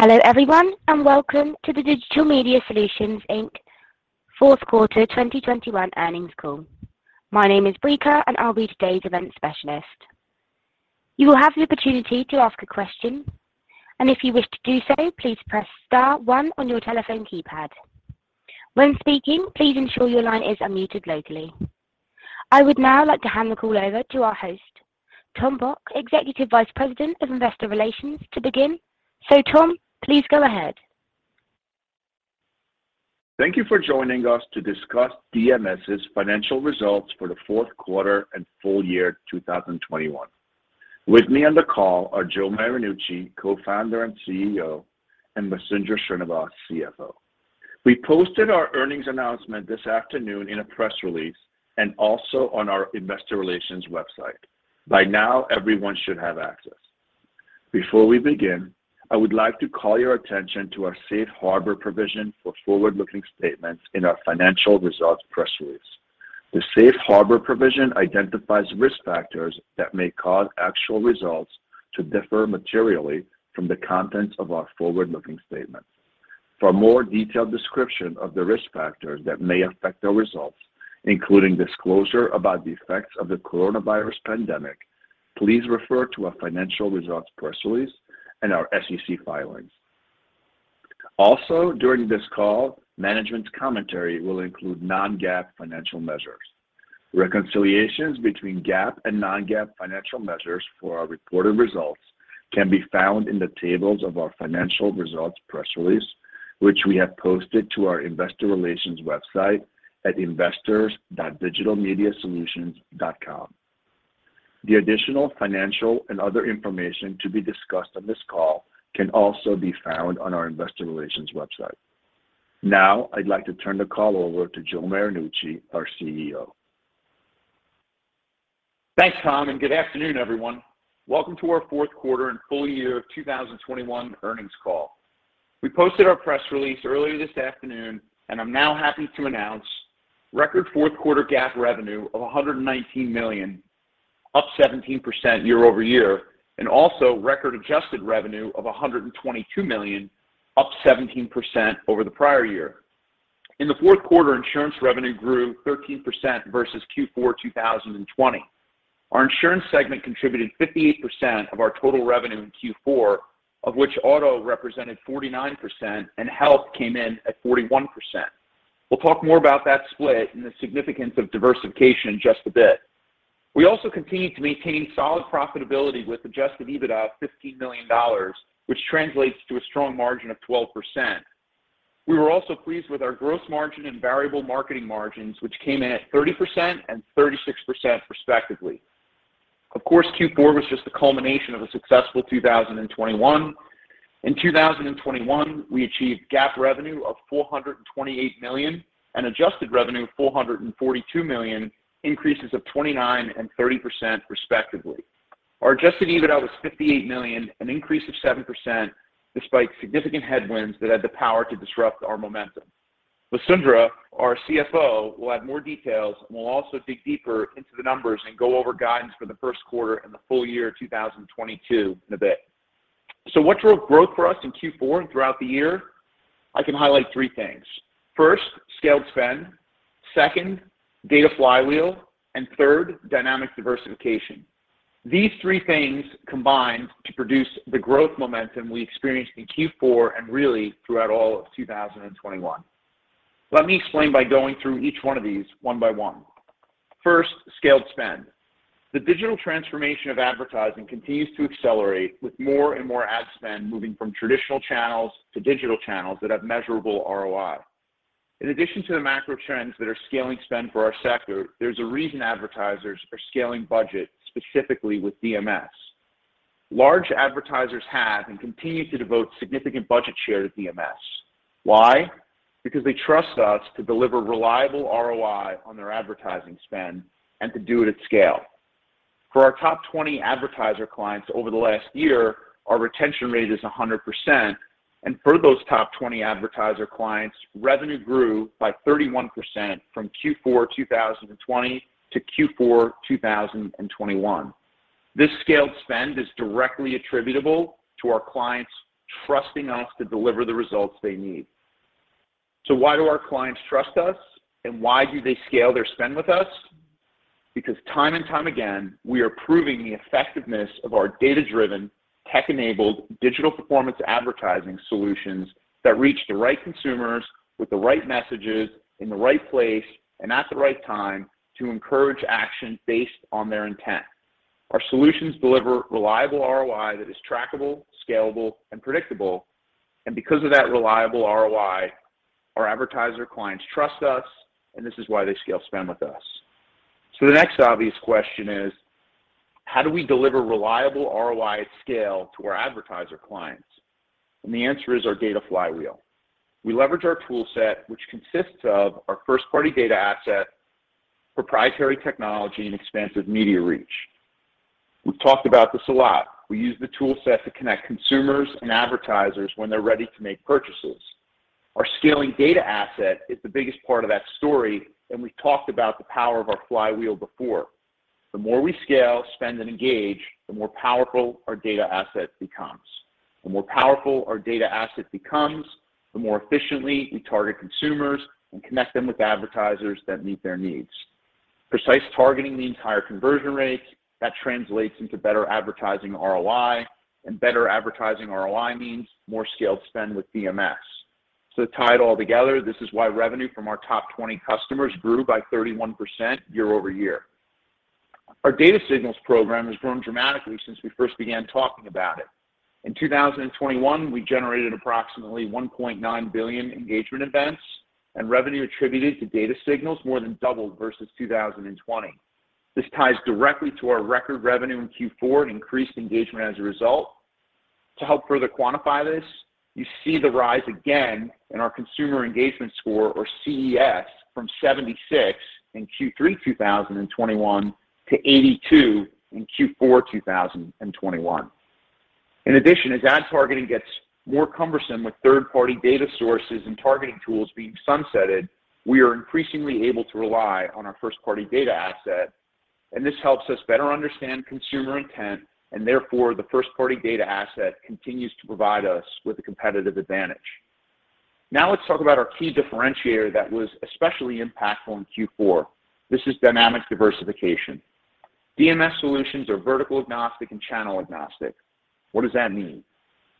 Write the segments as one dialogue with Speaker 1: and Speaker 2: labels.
Speaker 1: Hello everyone, and welcome to the Digital Media Solutions, Inc. Q4 2021 earnings call. My name is Brica, and I'll be today's Event Specialist. You will have the opportunity to ask a question, and if you wish to do so, please press star one on your telephone keypad. When speaking, please ensure your line is unmuted locally. I would now like to hand the call over to our host, Tom Bock, Executive Vice President of Corporate Strategy and Investor Relations, to begin. Tom, please go ahead.
Speaker 2: Thank you for joining us to discuss DMS' financial results for the Q4 and full year 2021. With me on the call are Joe Marinucci, Co-founder and CEO, and Vasundara Srenivas, CFO. We posted our earnings announcement this afternoon in a press release and also on our investor relations website. By now, everyone should have access. Before we begin, I would like to call your attention to our safe harbor provision for forward-looking statements in our financial results press release. The safe harbor provision identifies risk factors that may cause actual results to differ materially from the contents of our forward-looking statement. For a more detailed description of the risk factors that may affect our results, including disclosure about the effects of the coronavirus pandemic, please refer to our financial results press release and our SEC filings. Also, during this call, management's commentary will include non-GAAP financial measures. Reconciliations between GAAP and non-GAAP financial measures for our reported results can be found in the tables of our financial results press release, which we have posted to our investor relations website at investors.digitalmediasolutions.com. The additional financial and other information to be discussed on this call can also be found on our investor relations website. Now I'd like to turn the call over to Joe Marinucci, our CEO.
Speaker 3: Thanks, Tom, and good afternoon, everyone. Welcome to our Q4 and full year 2021 earnings call. We posted our press release earlier this afternoon, and I'm now happy to announce record Q4 GAAP revenue of $119 million, up 17% year-over-year, and also record adjusted revenue of $122 million, up 17% over the prior year. In the Q4, insurance revenue grew 13% versus Q4 2020. Our insurance segment contributed 58% of our total revenue in Q4, of which auto represented 49% and health came in at 41%. We'll talk more about that split and the significance of diversification in just a bit. We also continued to maintain solid profitability with adjusted EBITDA of $15 million, which translates to a strong margin of 12%. We were also pleased with our gross margin and variable marketing margins, which came in at 30% and 36% respectively. Of course, Q4 was just the culmination of a successful 2021. In 2021, we achieved GAAP revenue of $428 million and adjusted revenue of $442 million, increases of 29% and 30% respectively. Our adjusted EBITDA was $58 million, an increase of 7% despite significant headwinds that had the power to disrupt our momentum. Vasundara, our CFO, will add more details and will also dig deeper into the numbers and go over guidance for the Q1 and the full year 2022 in a bit. What drove growth for us in Q4 and throughout the year? I can highlight three things. First, scaled spend. Second, data flywheel. Third, dynamic diversification. These three things combined to produce the growth momentum we experienced in Q4 and really throughout all of 2021. Let me explain by going through each one of these one by one. First, scaled spend. The digital transformation of advertising continues to accelerate, with more and more ad spend moving from traditional channels to digital channels that have measurable ROI. In addition to the macro trends that are scaling spend for our sector, there's a reason advertisers are scaling budget specifically with DMS. Large advertisers have and continue to devote significant budget share to DMS. Why? Because they trust us to deliver reliable ROI on their advertising spend and to do it at scale. For our top 20 advertiser clients over the last year, our retention rate is 100%, and for those top 20 advertiser clients, revenue grew by 31% from Q4 2020 to Q4 2021. This scaled spend is directly attributable to our clients trusting us to deliver the results they need. Why do our clients trust us, and why do they scale their spend with us? Because time and time again, we are proving the effectiveness of our data-driven, tech-enabled digital performance advertising solutions that reach the right consumers with the right messages in the right place and at the right time to encourage action based on their intent. Our solutions deliver reliable ROI that is trackable, scalable, and predictable, and because of that reliable ROI, our advertiser clients trust us, and this is why they scale spend with us. The next obvious question is: how do we deliver reliable ROI at scale to our advertiser clients? The answer is our data flywheel. We leverage our tool set, which consists of our first-party data asset, proprietary technology, and expansive media reach. We've talked about this a lot. We use the tool set to connect consumers and advertisers when they're ready to make purchases. Our scaling data asset is the biggest part of that story, and we talked about the power of our flywheel before. The more we scale, spend, and engage, the more powerful our data asset becomes. The more powerful our data asset becomes, the more efficiently we target consumers and connect them with advertisers that meet their needs. Precise targeting means higher conversion rates. That translates into better advertising ROI, and better advertising ROI means more scaled spend with DMS. To tie it all together, this is why revenue from our top 20 customers grew by 31% year-over-year. Our data signals program has grown dramatically since we first began talking about it. In 2021, we generated approximately 1.9 billion engagement events, and revenue attributed to data signals more than doubled versus 2020. This ties directly to our record revenue in Q4 and increased engagement as a result. To help further quantify this, you see the rise again in our consumer engagement score, or CES, from 76 in Q3 2021 to 82 in Q4 2021. In addition, as ad targeting gets more cumbersome with third-party data sources and targeting tools being sunsetted, we are increasingly able to rely on our first-party data asset, and this helps us better understand consumer intent, and therefore, the first-party data asset continues to provide us with a competitive advantage. Now let's talk about our key differentiator that was especially impactful in Q4. This is dynamic diversification. DMS solutions are vertical agnostic and channel agnostic. What does that mean?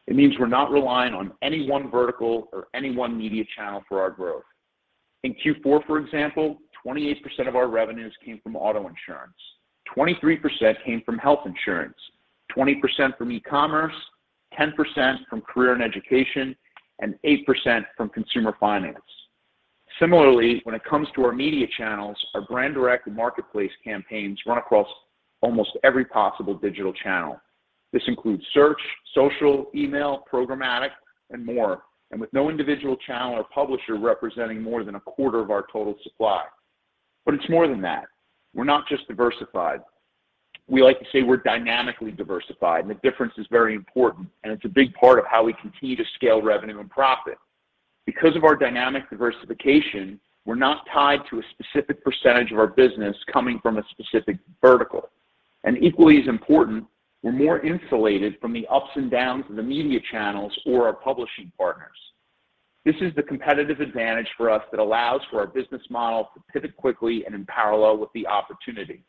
Speaker 3: It means we're not relying on any one vertical or any one media channel for our growth. In Q4, for example, 28% of our revenues came from auto insurance, 23% came from health insurance, 20% from e-commerce, 10% from career and education, and 8% from consumer finance. Similarly, when it comes to our media channels, our Brand Direct and Marketplace campaigns run across almost every possible digital channel. This includes search, social, email, programmatic, and more, and with no individual channel or publisher representing more than a quarter of our total supply. It's more than that. We're not just diversified. We like to say we're dynamically diversified, and the difference is very important, and it's a big part of how we continue to scale revenue and profit. Because of our dynamic diversification, we're not tied to a specific percentage of our business coming from a specific vertical. Equally as important, we're more insulated from the ups and downs of the media channels or our publishing partners. This is the competitive advantage for us that allows for our business model to pivot quickly and in parallel with the opportunity.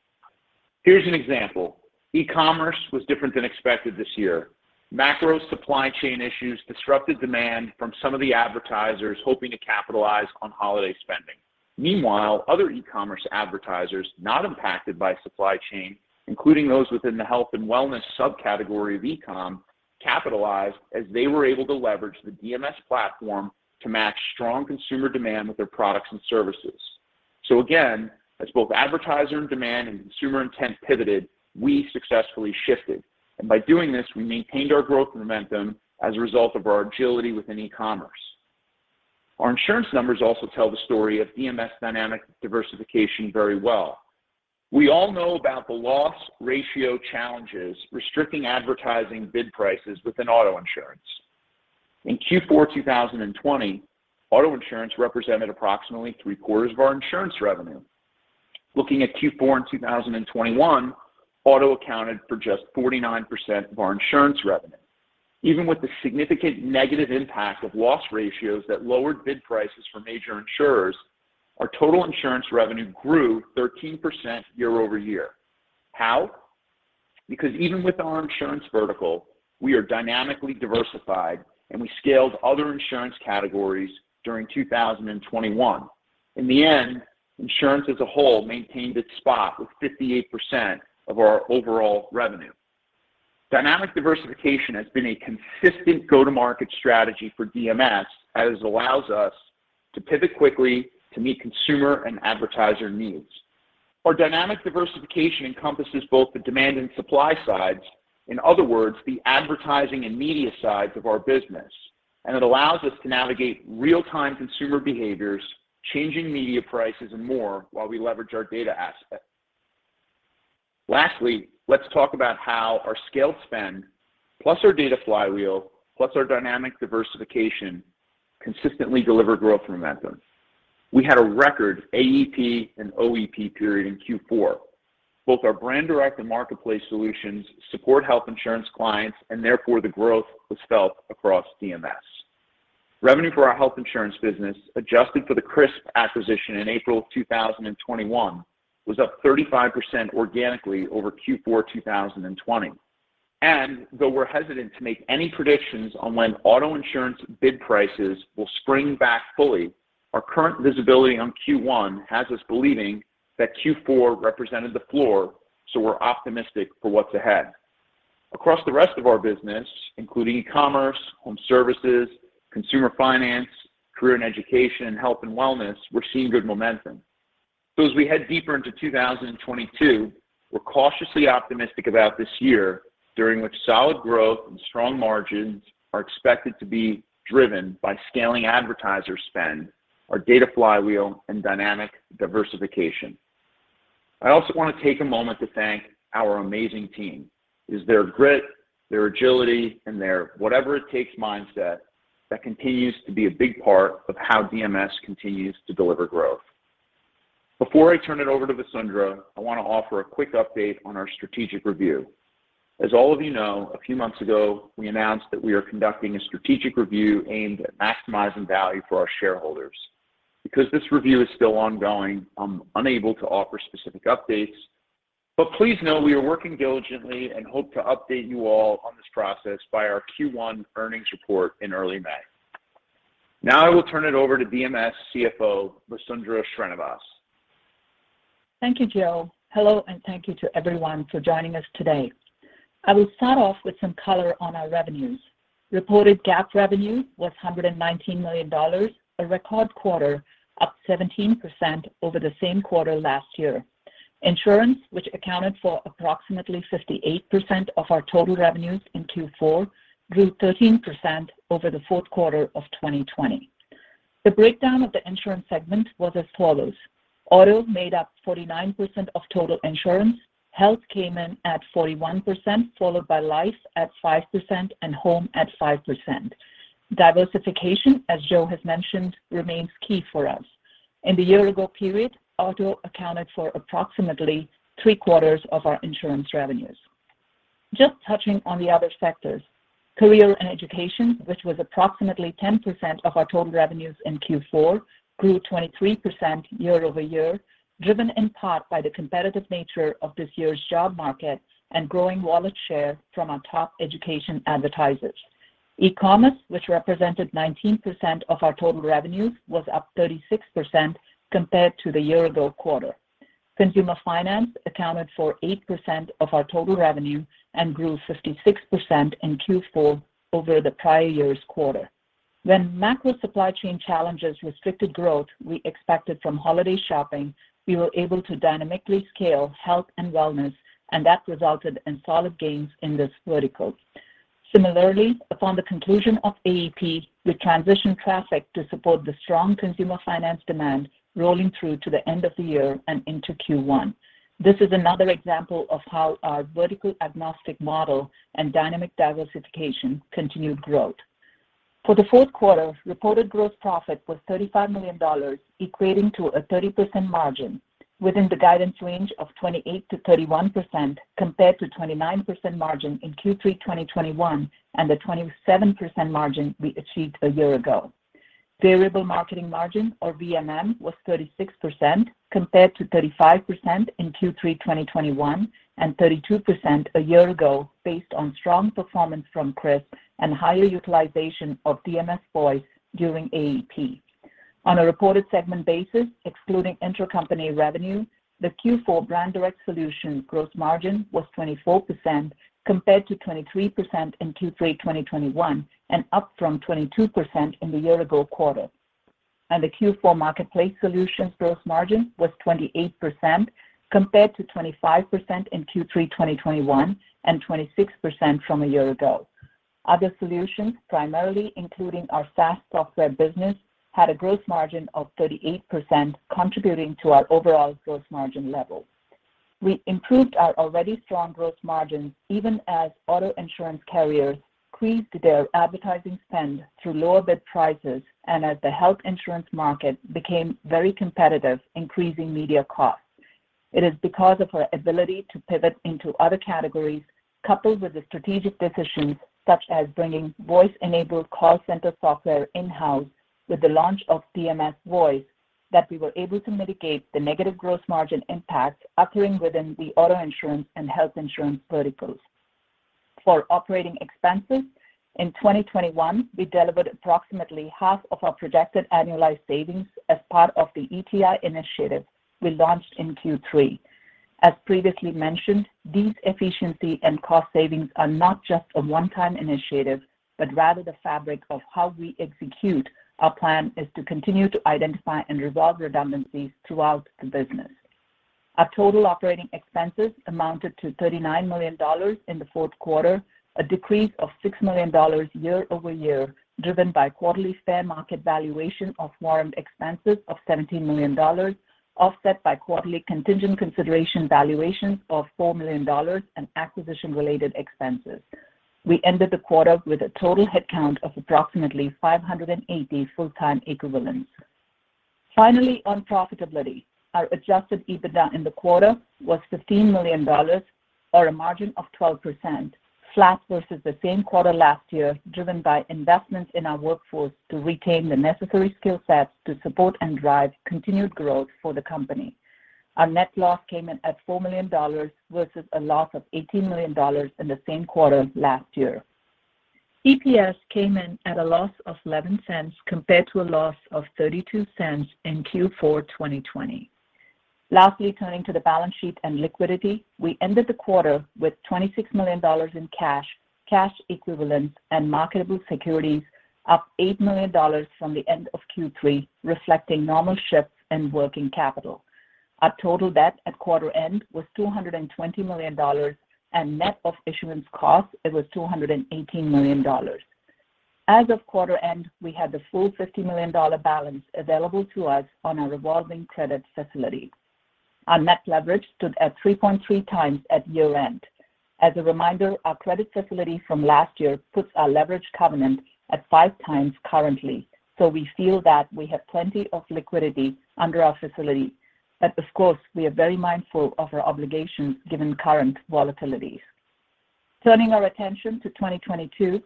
Speaker 3: Here's an example. E-commerce was different than expected this year. Macro supply chain issues disrupted demand from some of the advertisers hoping to capitalize on holiday spending. Meanwhile, other e-commerce advertisers not impacted by supply chain, including those within the health and wellness subcategory of e-com, capitalized as they were able to leverage the DMS platform to match strong consumer demand with their products and services. Again, as both advertiser demand and consumer intent pivoted, we successfully shifted, and by doing this, we maintained our growth momentum as a result of our agility within e-commerce. Our insurance numbers also tell the story of DMS dynamic diversification very well. We all know about the loss ratio challenges restricting advertising bid prices within auto insurance. In Q4 2020, auto insurance represented approximately 3/4 of our insurance revenue. Looking at Q4 in 2021, auto accounted for just 49% of our insurance revenue. Even with the significant negative impact of loss ratios that lowered bid prices for major insurers, our total insurance revenue grew 13% year-over-year. How? Because even with our insurance vertical, we are dynamically diversified, and we scaled other insurance categories during 2021. In the end, insurance as a whole maintained its spot with 58% of our overall revenue. Dynamic diversification has been a consistent go-to-market strategy for DMS, as it allows us to pivot quickly to meet consumer and advertiser needs. Our dynamic diversification encompasses both the demand and supply sides, in other words, the advertising and media sides of our business, and it allows us to navigate real-time consumer behaviors, changing media prices, and more while we leverage our data asset. Lastly, let's talk about how our scaled spend plus our data flywheel plus our dynamic diversification consistently deliver growth momentum. We had a record AEP and OEP period in Q4. Both our Brand Direct and Marketplace solutions support health insurance clients, and therefore, the growth was felt across DMS. Revenue for our health insurance business, adjusted for the Crisp acquisition in April of 2021, was up 35% organically over Q4 2020. Though we're hesitant to make any predictions on when auto insurance bid prices will spring back fully, our current visibility on Q1 has us believing that Q4 represented the floor, so we're optimistic for what's ahead. Across the rest of our business, including e-commerce, home services, consumer finance, career and education, health and wellness, we're seeing good momentum. As we head deeper into 2022, we're cautiously optimistic about this year, during which solid growth and strong margins are expected to be driven by scaling advertiser spend, our data flywheel, and dynamic diversification. I also want to take a moment to thank our amazing team. It is their grit, their agility, and their whatever it takes mindset that continues to be a big part of how DMS continues to deliver growth. Before I turn it over to Vasundara, I want to offer a quick update on our strategic review. As all of you know, a few months ago, we announced that we are conducting a strategic review aimed at maximizing value for our shareholders. Because this review is still ongoing, I'm unable to offer specific updates, but please know we are working diligently and hope to update you all on this process by our Q1 earnings report in early May. Now I will turn it over to DMS CFO, Vasundara Srenivas.
Speaker 4: Thank you, Joe. Hello, and thank you to everyone for joining us today. I will start off with some color on our revenues. Reported GAAP revenue was $119 million, a record quarter, up 17% over the same quarter last year. Insurance, which accounted for approximately 58% of our total revenues in Q4, grew 13% over the Q4 of 2020. The breakdown of the insurance segment was as follows. Auto made up 49% of total insurance, Health came in at 41%, followed by Life at 5% and Home at 5%. Diversification, as Joe has mentioned, remains key for us. In the year-ago period, Auto accounted for approximately three-quarters of our insurance revenues. Just touching on the other sectors, Career and Education, which was approximately 10% of our total revenues in Q4, grew 23% year-over-year, driven in part by the competitive nature of this year's job market and growing wallet share from our top education advertisers. E-commerce, which represented 19% of our total revenues, was up 36% compared to the year-ago quarter. Consumer finance accounted for 8% of our total revenue and grew 56% in Q4 over the prior year's quarter. When macro supply chain challenges restricted growth we expected from holiday shopping, we were able to dynamically scale health and wellness, and that resulted in solid gains in this vertical. Similarly, upon the conclusion of AEP, we transitioned traffic to support the strong consumer finance demand rolling through to the end of the year and into Q1. This is another example of how our vertical agnostic model and dynamic diversification continued growth. For the Q4, reported gross profit was $35 million, equating to a 30% margin within the guidance range of 28%-31% compared to 29% margin in Q3 2021 and the 27% margin we achieved a year ago. Variable marketing margin or VMM was 36% compared to 35% in Q3 2021 and 32% a year ago based on strong performance from Crisp and higher utilization of DMS Voice during AEP. On a reported segment basis, excluding intercompany revenue, the Q4 Brand Direct Solution gross margin was 24% compared to 23% in Q3 2021 and up from 22% in the year-ago quarter. The Q4 Marketplace Solution gross margin was 28% compared to 25% in Q3 2021 and 26% from a year ago. Other solutions, primarily including our SaaS software business, had a gross margin of 38%, contributing to our overall gross margin level. We improved our already strong gross margins even as auto insurance carriers decreased their advertising spend through lower bid prices and as the health insurance market became very competitive, increasing media costs. It is because of our ability to pivot into other categories, coupled with the strategic decisions such as bringing voice-enabled call center software in-house with the launch of DMS Voice, that we were able to mitigate the negative gross margin impacts occurring within the auto insurance and health insurance verticals. For operating expenses, in 2021, we delivered approximately half of our projected annualized savings as part of the ETI initiative we launched in Q3. As previously mentioned, these efficiency and cost savings are not just a one-time initiative, but rather the fabric of how we execute. Our plan is to continue to identify and resolve redundancies throughout the business. Our total operating expenses amounted to $39 million in the Q4, a decrease of $6 million year-over-year, driven by quarterly fair market valuation of warrant expenses of $17 million, offset by quarterly contingent consideration valuations of $4 million and acquisition-related expenses. We ended the quarter with a total headcount of approximately 580 full-time equivalents. Finally, on profitability, our adjusted EBITDA in the quarter was $15 million or a margin of 12%, flat versus the same quarter last year, driven by investments in our workforce to retain the necessary skill sets to support and drive continued growth for the company. Our net loss came in at $4 million versus a loss of $18 million in the same quarter last year. EPS came in at a loss of $0.11 compared to a loss of $0.32 in Q4 2020. Lastly, turning to the balance sheet and liquidity, we ended the quarter with $26 million in cash equivalents, and marketable securities, up $8 million from the end of Q3, reflecting normal shifts in working capital. Our total debt at quarter end was $220 million, and net of issuance costs, it was $218 million. As of quarter end, we had the full $50 million balance available to us on our revolving credit facility. Our net leverage stood at 3.3x at year-end. As a reminder, our credit facility from last year puts our leverage covenant at 5x currently. We feel that we have plenty of liquidity under our facility, but of course, we are very mindful of our obligations given current volatilities. Turning our attention to 2022,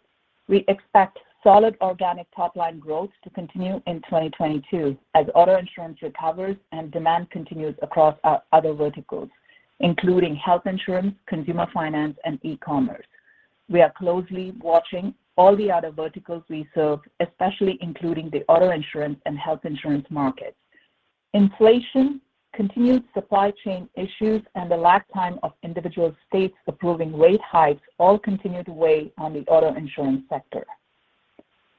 Speaker 4: we expect solid organic top-line growth to continue in 2022 as auto insurance recovers and demand continues across our other verticals, including health insurance, consumer finance and e-commerce. We are closely watching all the other verticals we serve, especially including the auto insurance and health insurance markets. Inflation, continued supply chain issues, and the lag time of individual states approving rate hikes all continue to weigh on the auto insurance sector.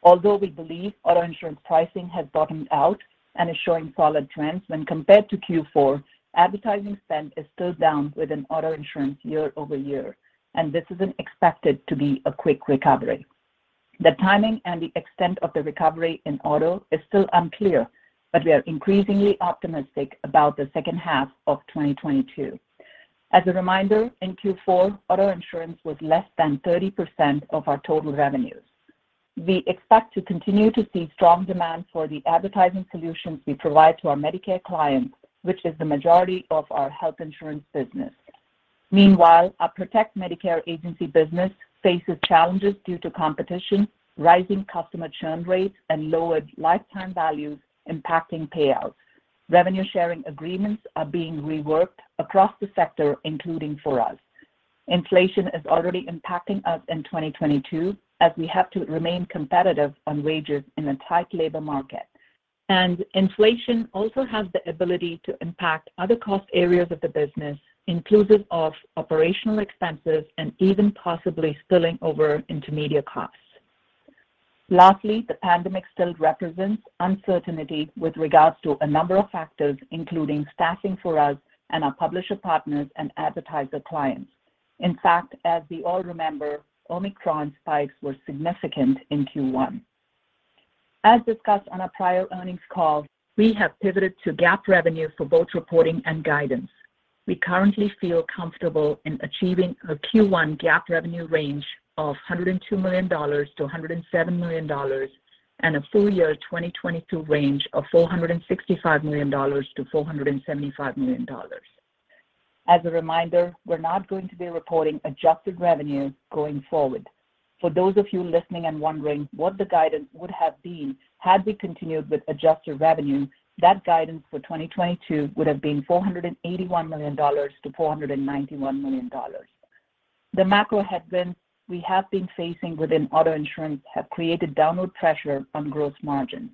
Speaker 4: Although we believe auto insurance pricing has bottomed out and is showing solid trends when compared to Q4, advertising spend is still down within auto insurance year-over-year, and this isn't expected to be a quick recovery. The timing and the extent of the recovery in auto is still unclear, but we are increasingly optimistic about the H2 of 2022. As a reminder, in Q4, auto insurance was less than 30% of our total revenues. We expect to continue to see strong demand for the advertising solutions we provide to our Medicare clients, which is the majority of our health insurance business. Meanwhile, our Protect Medicare agency business faces challenges due to competition, rising customer churn rates, and lowered lifetime values impacting payouts. Revenue sharing agreements are being reworked across the sector, including for us. Inflation is already impacting us in 2022 as we have to remain competitive on wages in a tight labor market. Inflation also has the ability to impact other cost areas of the business, inclusive of operational expenses and even possibly spilling over into media costs. Lastly, the pandemic still represents uncertainty with regards to a number of factors, including staffing for us and our publisher partners and advertiser clients. In fact, as we all remember, Omicron spikes were significant in Q1. As discussed on our prior earnings call, we have pivoted to GAAP revenue for both reporting and guidance. We currently feel comfortable in achieving a Q1 GAAP revenue range of $102 million-$107 million and a full year 2022 range of $465 million-$475 million. As a reminder, we're not going to be reporting adjusted revenue going forward. For those of you listening and wondering what the guidance would have been had we continued with adjusted revenue, that guidance for 2022 would have been $481 million-$491 million. The macro headwinds we have been facing within auto insurance have created downward pressure on gross margins.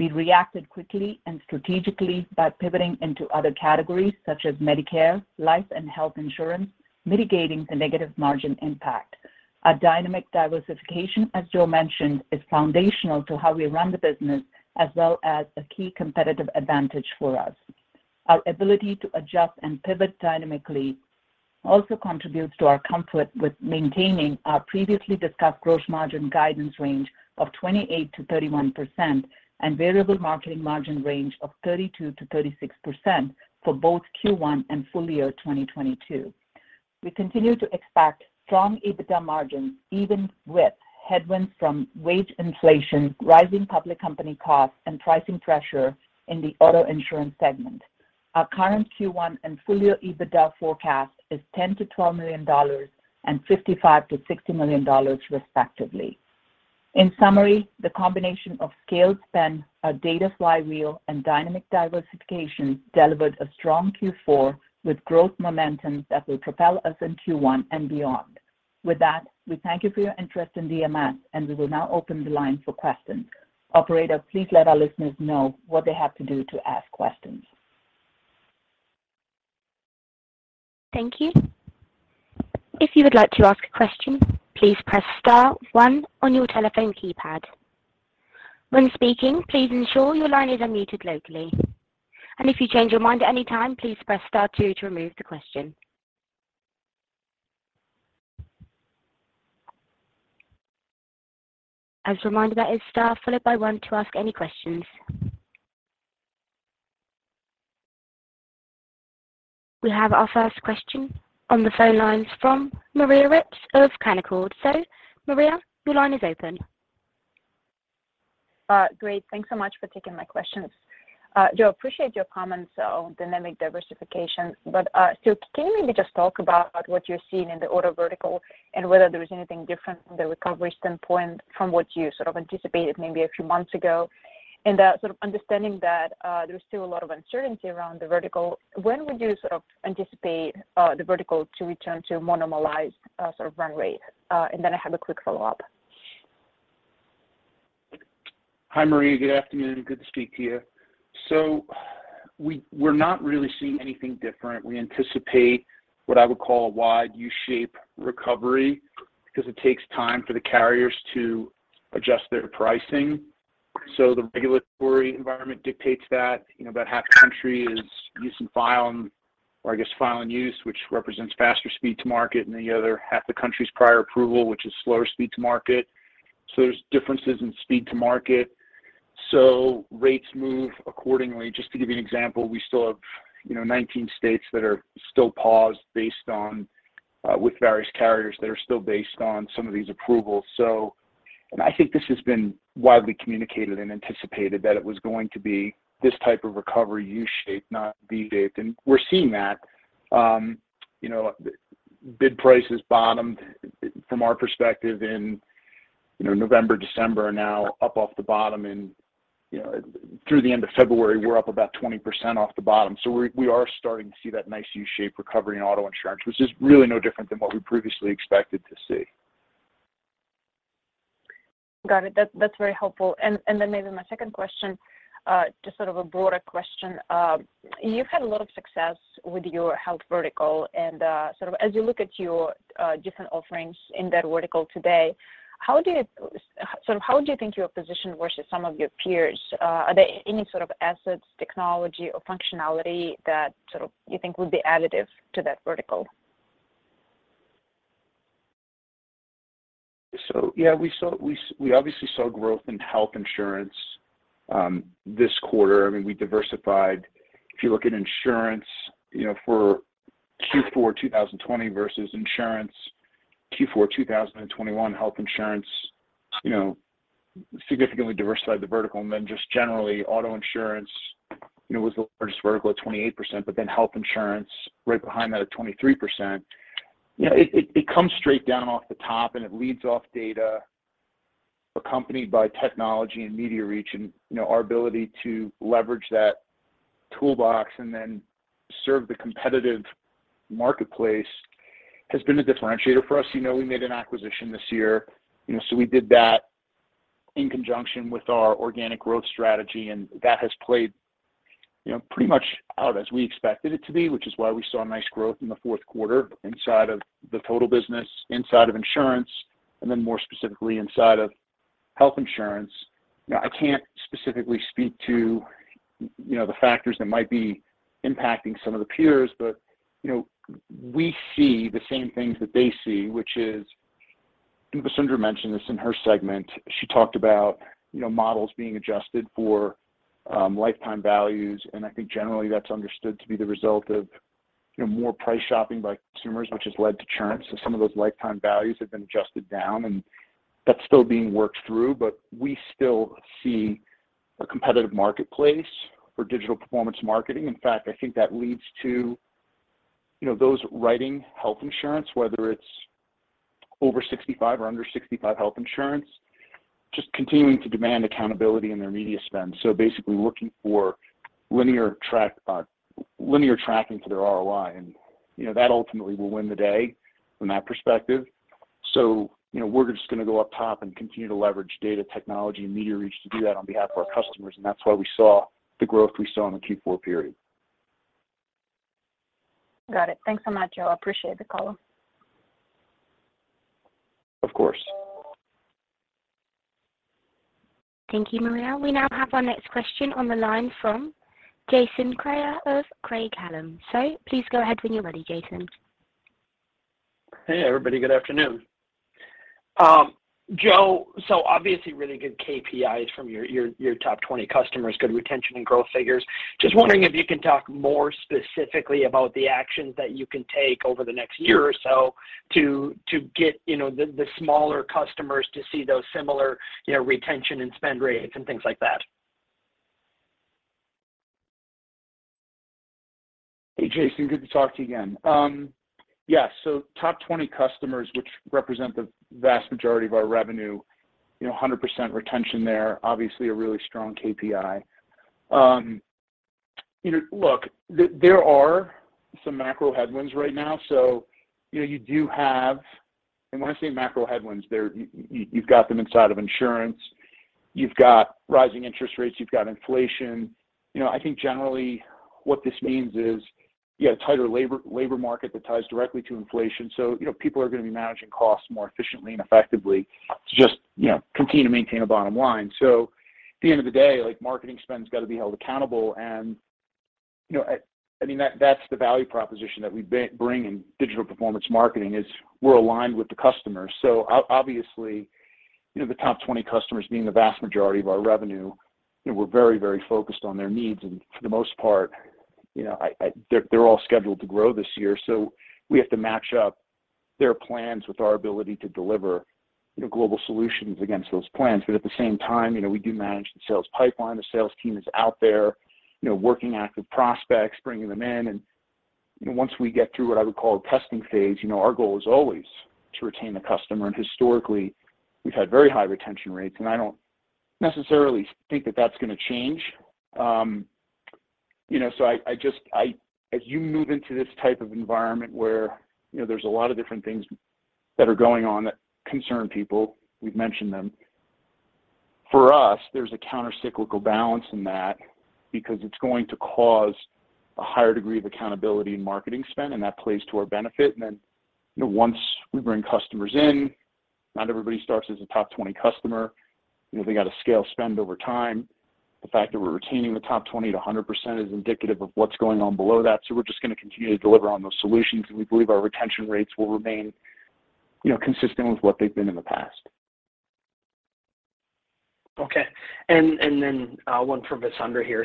Speaker 4: We've reacted quickly and strategically by pivoting into other categories such as Medicare, life and health insurance, mitigating the negative margin impact. Our dynamic diversification, as Joe mentioned, is foundational to how we run the business as well as a key competitive advantage for us. Our ability to adjust and pivot dynamically also contributes to our comfort with maintaining our previously discussed gross margin guidance range of 28%-31% and variable marketing margin range of 32%-36% for both Q1 and full year 2022. We continue to expect strong EBITDA margins even with headwinds from wage inflation, rising public company costs, and pricing pressure in the auto insurance segment. Our current Q1 and full-year EBITDA forecast is $10 million-$12 million and $55 million-$60 million, respectively. In summary, the combination of scaled spend, our data flywheel, and dynamic diversification delivered a strong Q4 with growth momentum that will propel us in Q1 and beyond. With that, we thank you for your interest in DMS, and we will now open the line for questions. Operator, please let our listeners know what they have to do to ask questions.
Speaker 1: Thank you. If you would like to ask a question, please press star one on your telephone keypad. When speaking, please ensure your line is unmuted locally. If you change your mind at any time, please press star two to remove the question. As reminded, that is star followed by one to ask any questions. We have our first question on the phone lines from Maria Ripps of Canaccord. Maria, your line is open.
Speaker 5: Great. Thanks so much for taking my questions. Joe, appreciate your comments on dynamic diversification. Can you maybe just talk about what you're seeing in the auto vertical and whether there is anything different from the recovery standpoint from what you sort of anticipated maybe a few months ago? That sort of understanding that there is still a lot of uncertainty around the vertical, when would you sort of anticipate the vertical to return to a more normalized sort of run rate? I have a quick follow-up.
Speaker 3: Hi, Maria. Good afternoon. Good to speak to you. We're not really seeing anything different. We anticipate what I would call a wide U-shape recovery because it takes time for the carriers to adjust their pricing. The regulatory environment dictates that, you know, about half the country is use and file, and or I guess, file and use, which represents faster speed to market, and the other half the country's prior authorization, which is slower speed to market. There's differences in speed to market. Rates move accordingly. Just to give you an example, we still have, you know, 19 states that are still paused based on with various carriers that are still based on some of these approvals. I think this has been widely communicated and anticipated that it was going to be this type of recovery U-shaped, not V-shaped. We're seeing that, you know, bid prices bottomed from our perspective in, you know, November, December, are now up off the bottom and, you know, through the end of February, we're up about 20% off the bottom. We are starting to see that nice U-shape recovery in auto insurance, which is really no different than what we previously expected to see.
Speaker 5: Got it. That's very helpful. Maybe my second question, just sort of a broader question. You've had a lot of success with your health vertical and, sort of as you look at your different offerings in that vertical today, how do you think you're positioned versus some of your peers? Are there any sort of assets, technology or functionality that you sort of think would be additive to that vertical?
Speaker 3: We obviously saw growth in health insurance this quarter. I mean, we diversified. If you look at insurance, you know, for Q4 2020 versus insurance Q4 2021, health insurance, you know, significantly diversified the vertical. Just generally, auto insurance, you know, was the largest vertical at 28%, but then health insurance right behind that at 23%. It comes straight down off the top and it leads with data accompanied by technology and media reach. Our ability to leverage that toolbox and then serve the competitive marketplace has been a differentiator for us. You know, we made an acquisition this year, you know, so we did that in conjunction with our organic growth strategy, and that has played, you know, pretty much out as we expected it to be, which is why we saw nice growth in the Q4 inside of the total business, inside of insurance, and then more specifically inside of health insurance. You know, I can't specifically speak to, you know, the factors that might be impacting some of the peers, but, you know, we see the same things that they see, which is, and Vasundara mentioned this in her segment. She talked about, you know, models being adjusted for lifetime values, and I think generally that's understood to be the result of, you know, more price shopping by consumers, which has led to churn. Some of those lifetime values have been adjusted down, and that's still being worked through. We still see a competitive marketplace for digital performance marketing. In fact, I think that leads to, you know, those writing health insurance, whether it's over 65 or under 65 health insurance, just continuing to demand accountability in their media spend. Basically looking for linear track, linear tracking for their ROI. You know, that ultimately will win the day from that perspective. You know, we're just gonna go up top and continue to leverage data technology and media reach to do that on behalf of our customers, and that's why we saw the growth we saw in the Q4 period.
Speaker 5: Got it. Thanks so much, Joe. I appreciate the call.
Speaker 3: Of course.
Speaker 1: Thank you, Maria. We now have our next question on the line from Jason Kreyer of Craig-Hallum. Please go ahead when you're ready, Jason.
Speaker 6: Hey, everybody. Good afternoon. Joe, obviously really good KPIs from your top 20 customers, good retention and growth figures. Just wondering if you can talk more specifically about the actions that you can take over the next year or so to get, you know, the smaller customers to see those similar, you know, retention and spend rates and things like that.
Speaker 3: Hey, Jason, good to talk to you again. Yeah. Top 20 customers, which represent the vast majority of our revenue, you know, 100% retention there, obviously a really strong KPI. You know, look, there are some macro headwinds right now. You know, you do have them. When I say macro headwinds, they're you've got them inside of insurance. You've got rising interest rates, you've got inflation. You know, I think generally what this means is, you have tighter labor market that ties directly to inflation. You know, people are going to be managing costs more efficiently and effectively to just, you know, continue to maintain a bottom line. At the end of the day, like, marketing spend's gotta be held accountable. You know, I mean, that's the value proposition that we bring in digital performance marketing, is we're aligned with the customer. Obviously, you know, the top 20 customers being the vast majority of our revenue, you know, we're very focused on their needs. For the most part, you know, they're all scheduled to grow this year, so we have to match up their plans with our ability to deliver, you know, global solutions against those plans. At the same time, you know, we do manage the sales pipeline. The sales team is out there, you know, working active prospects, bringing them in. Once we get through what I would call a testing phase, you know, our goal is always to retain the customer. Historically, we've had very high retention rates, and I don't necessarily think that that's gonna change. You know, so I just as you move into this type of environment where, you know, there's a lot of different things that are going on that concern people, we've mentioned them. For us, there's a countercyclical balance in that because it's going to cause a higher degree of accountability in marketing spend, and that plays to our benefit. You know, once we bring customers in, not everybody starts as a top 20 customer. They gotta scale spend over time. The fact that we're retaining the top 20%-100% is indicative of what's going on below that, so we're just gonna continue to deliver on those solutions, and we believe our retention rates will remain, you know, consistent with what they've been in the past.
Speaker 6: Okay. Then one from Vasundara Srenivas here.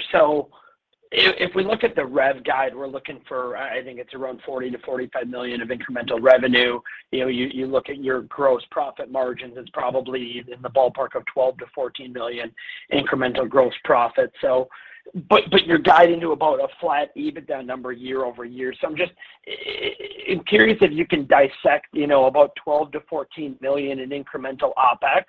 Speaker 6: If we look at the rev guide, we're looking for, I think it's around $40 million-$45 million of incremental revenue. You know, you look at your gross profit margins, it's probably in the ballpark of $12 million-$14 million incremental gross profit. You're guiding to about a flat EBITDA number year over year. I'm just wondering if you can dissect, you know, about $12 million-$14 million in incremental OpEx.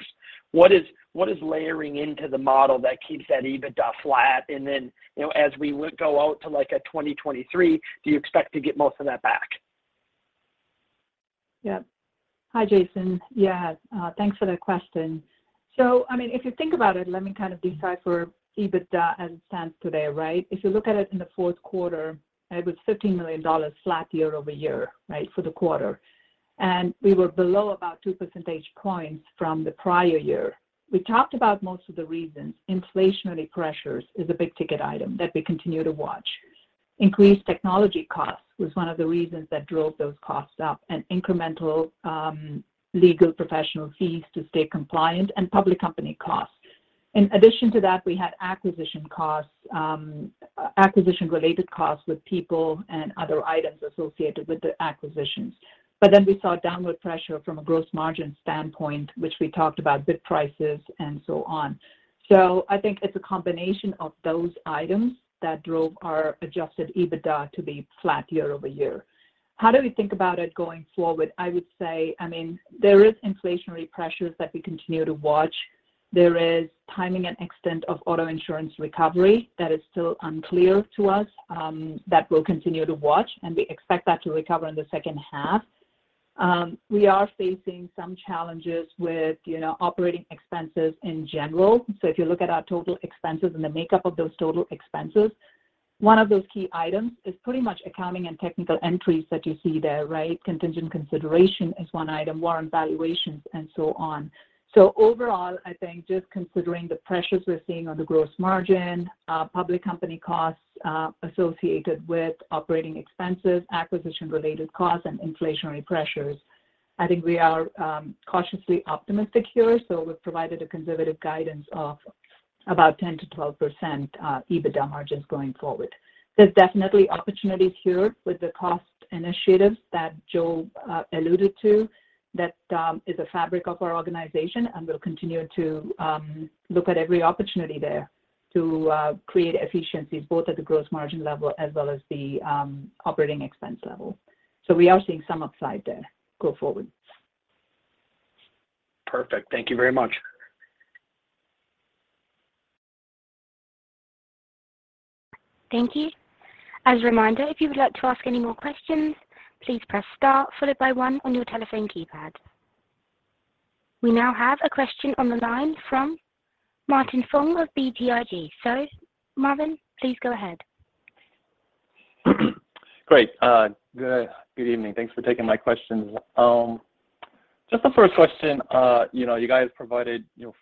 Speaker 6: What is layering into the model that keeps that EBITDA flat? Then, you know, as we would go out to, like, a 2023, do you expect to get most of that back?
Speaker 4: Yeah. Hi, Jason. Yeah. Thanks for the question. I mean, if you think about it, let me kind of decipher EBITDA as it stands today, right? If you look at it in the Q4, it was $15 million flat year-over-year, right, for the quarter. We were below about two percentage points from the prior year. We talked about most of the reasons. Inflationary pressures is a big ticket item that we continue to watch. Increased technology costs was one of the reasons that drove those costs up, and incremental legal professional fees to stay compliant and public company costs. In addition to that, we had acquisition costs, acquisition-related costs with people and other items associated with the acquisitions. We saw downward pressure from a gross margin standpoint, which we talked about bid prices and so on. I think it's a combination of those items that drove our adjusted EBITDA to be flat year-over-year. How do we think about it going forward? I would say, I mean, there is inflationary pressures that we continue to watch. There is timing and extent of auto insurance recovery that is still unclear to us, that we'll continue to watch, and we expect that to recover in the H2. We are facing some challenges with, you know, operating expenses in general. If you look at our total expenses and the makeup of those total expenses, one of those key items is pretty much accounting and technical entries that you see there, right? Contingent consideration is one item, warrant valuations and so on. Overall, I think just considering the pressures we're seeing on the gross margin, public company costs, associated with operating expenses, acquisition-related costs and inflationary pressures, I think we are, cautiously optimistic here. We've provided a conservative guidance of about 10%-12% EBITDA margins going forward. There's definitely opportunities here with the cost initiatives that Joe alluded to that is a fabric of our organization, and we'll continue to look at every opportunity there to create efficiencies both at the gross margin level as well as the operating expense level. We are seeing some upside there go forward.
Speaker 6: Perfect. Thank you very much.
Speaker 1: Thank you. As a reminder, if you would like to ask any more questions, please press star followed by one on your telephone keypad. We now have a question on the line from Marvin Fong of BTIG. Marvin, please go ahead.
Speaker 7: Great. Good evening. Thanks for taking my questions. Just the first question, you know, you guys provided, you know,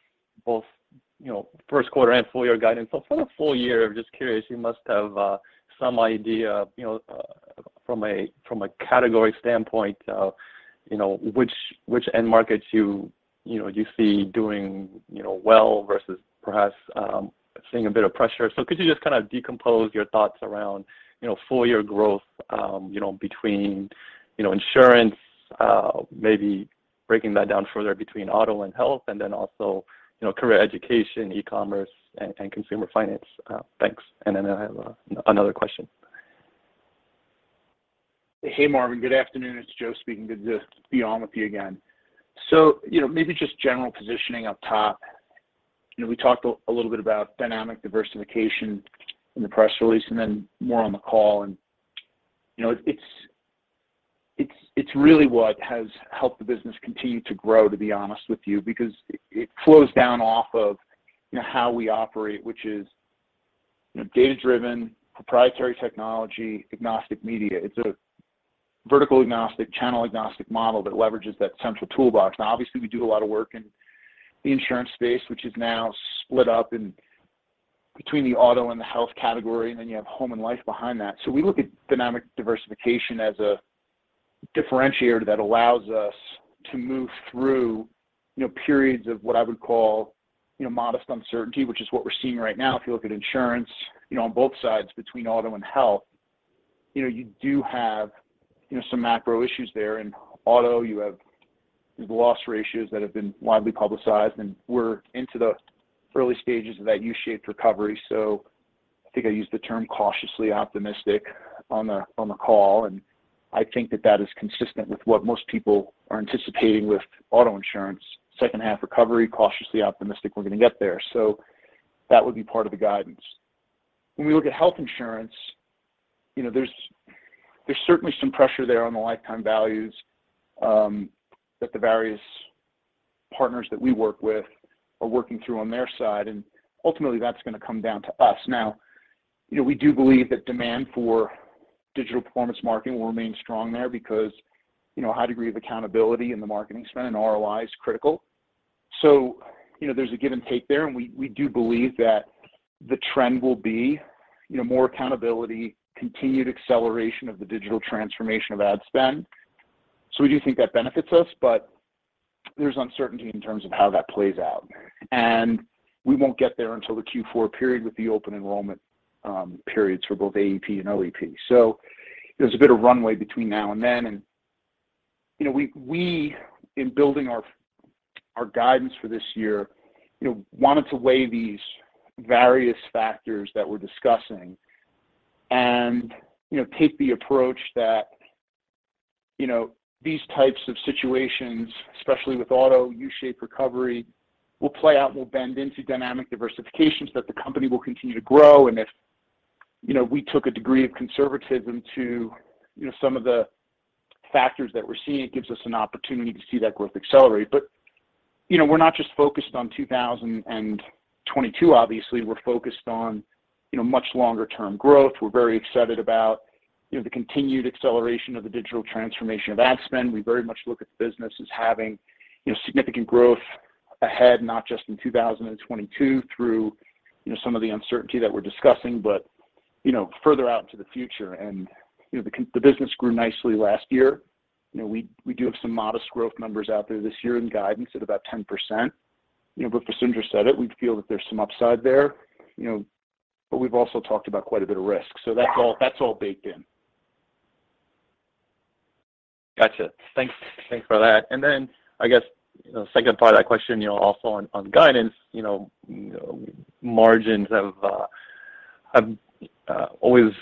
Speaker 7: both, you know, Q1 and full year guidance. For the full year, just curious, you must have some idea, you know, from a category standpoint, you know, which end markets you know you see doing, you know, well versus perhaps seeing a bit of pressure. Could you just kind of decompose your thoughts around, you know, full year growth, you know, between, you know, insurance, maybe breaking that down further between auto and health and then also, you know, career education, e-commerce and consumer finance. Thanks. Then I have another question.
Speaker 3: Hey, Marvin. Good afternoon. It's Joe speaking. Good to be on with you again. You know, maybe just general positioning up top. You know, we talked a little bit about dynamic diversification in the press release and then more on the call. You know, it's really what has helped the business continue to grow, to be honest with you, because it flows down off of, you know, how we operate, which is, you know, data-driven, proprietary technology, agnostic media. It's a vertical agnostic, channel agnostic model that leverages that central toolbox. Now obviously we do a lot of work in the insurance space, which is now split up in between the auto and the health category, and then you have home and life behind that. We look at dynamic diversification as a differentiator that allows us to move through, you know, periods of what I would call, you know, modest uncertainty, which is what we're seeing right now. If you look at insurance, you know, on both sides between auto and health, you know, you do have, you know, some macro issues there. In auto, you have the loss ratios that have been widely publicized, and we're into the early stages of that U-shaped recovery. I think I used the term cautiously optimistic on the, on the call, and I think that that is consistent with what most people are anticipating with auto insurance. H2 recovery, cautiously optimistic we're gonna get there. That would be part of the guidance. When we look at health insurance, you know, there's certainly some pressure there on the lifetime values that the various partners that we work with are working through on their side, and ultimately that's gonna come down to us. Now, you know, we do believe that demand for digital performance marketing will remain strong there because, you know, high degree of accountability in the marketing spend and ROI is critical. So, you know, there's a give and take there, and we do believe that the trend will be, you know, more accountability, continued acceleration of the digital transformation of ad spend. So we do think that benefits us, but there's uncertainty in terms of how that plays out. We won't get there until the Q4 period with the open enrollment periods for both AEP and OEP. There's a bit of runway between now and then and, you know, we in building our guidance for this year, you know, wanted to weigh these various factors that we're discussing and, you know, take the approach that, you know, these types of situations, especially with auto U-shaped recovery, will play out and will bend into dynamic diversifications, that the company will continue to grow. If, you know, we took a degree of conservatism to, you know, some of the factors that we're seeing, it gives us an opportunity to see that growth accelerate. You know, we're not just focused on 2022, obviously. We're focused on, you know, much longer-term growth. We're very excited about, you know, the continued acceleration of the digital transformation of ad spend. We very much look at the business as having, you know, significant growth ahead, not just in 2022 through, you know, some of the uncertainty that we're discussing, but, you know, further out into the future. You know, the business grew nicely last year. You know, we do have some modest growth numbers out there this year in guidance at about 10%. You know, Vasundara said it, we feel that there's some upside there, you know, but we've also talked about quite a bit of risk. That's all baked in.
Speaker 7: Gotcha. Thanks. Thanks for that. I guess, you know, second part of that question, you know, also on guidance, you know, margins have always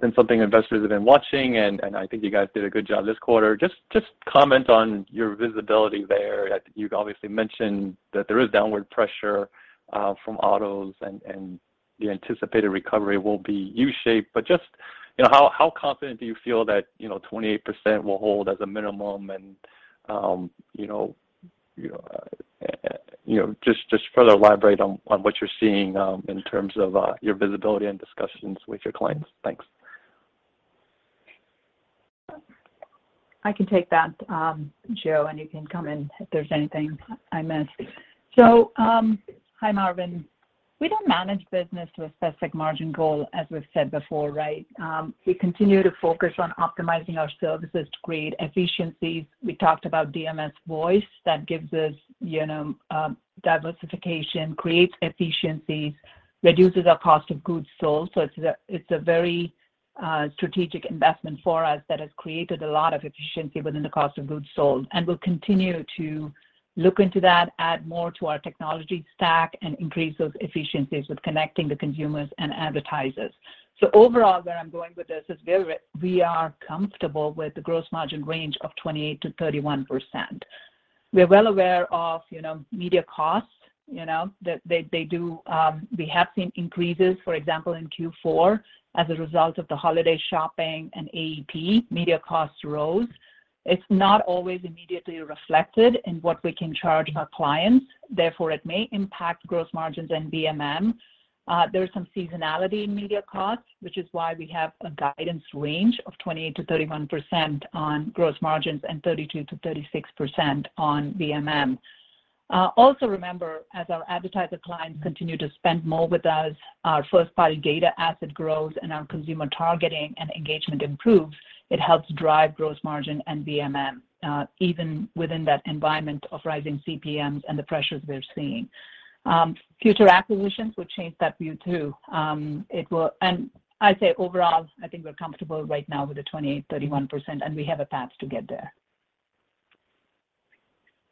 Speaker 7: been something investors have been watching, and I think you guys did a good job this quarter. Just comment on your visibility there. You've obviously mentioned that there is downward pressure from autos and the anticipated recovery will be U-shaped. Just, you know, how confident do you feel that, you know, 28% will hold as a minimum and, you know, just further elaborate on what you're seeing in terms of your visibility and discussions with your clients. Thanks.
Speaker 4: I can take that, Joe, and you can come in if there's anything I missed. Hi, Marvin. We don't manage business with specific margin goal, as we've said before, right? We continue to focus on optimizing our services to create efficiencies. We talked about DMS Voice. That gives us, you know, diversification, creates efficiencies, reduces our cost of goods sold. It's a very strategic investment for us that has created a lot of efficiency within the cost of goods sold, and we'll continue to look into that, add more to our technology stack, and increase those efficiencies with connecting the consumers and advertisers. Overall, where I'm going with this is we are comfortable with the gross margin range of 28%-31%. We're well aware of, you know, media costs. We have seen increases, for example, in Q4 as a result of the holiday shopping and AEP. Media costs rose. It's not always immediately reflected in what we can charge our clients. Therefore, it may impact gross margins and VMM. There's some seasonality in media costs, which is why we have a guidance range of 28%-31% on gross margins and 32%-36% on VMM. Also remember, as our advertiser clients continue to spend more with us, our first-party data asset growth and our consumer targeting and engagement improves. It helps drive gross margin and VMM, even within that environment of rising CPMs and the pressures we're seeing. Future acquisitions would change that view too. I'd say overall, I think we're comfortable right now with the 28%-31%, and we have a path to get there.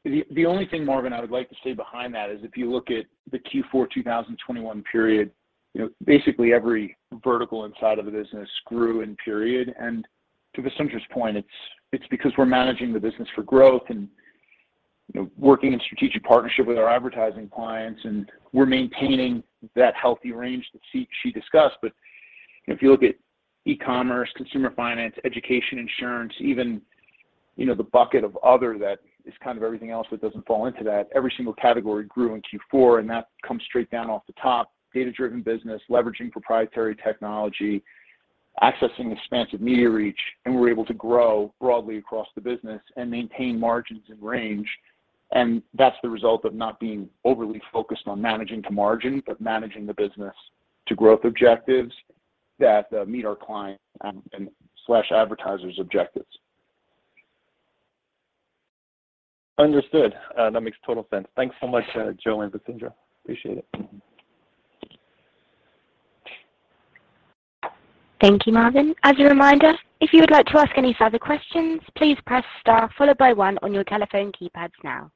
Speaker 3: The only thing, Marvin, I would like to say behind that is if you look at the Q4 2021 period, you know, basically every vertical inside of the business grew in period. To Vasundara's point, it's because we're managing the business for growth and, you know, working in strategic partnership with our advertising clients, and we're maintaining that healthy range that she discussed. If you look at e-commerce, consumer finance, education, insurance, even, you know, the bucket of other that is kind of everything else that doesn't fall into that, every single category grew in Q4, and that comes straight down off the top. Data-driven business, leveraging proprietary technology, accessing expansive media reach, and we're able to grow broadly across the business and maintain margins and range, and that's the result of not being overly focused on managing to margin, but managing the business to growth objectives that meet our clients' and advertisers' objectives.
Speaker 7: Understood. That makes total sense. Thanks so much, Joe and Vasundara. Appreciate it.
Speaker 1: Thank you, Marvin. As a reminder, if you would like to ask any further questions, please press star followed by one on your telephone keypads now.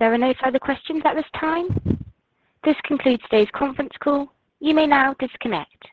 Speaker 1: There are no further questions at this time. This concludes today's conference call. You may now disconnect.